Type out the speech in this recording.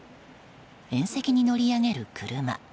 縁石に乗り上げる車。